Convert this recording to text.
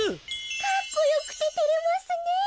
かっこよくててれますねえ。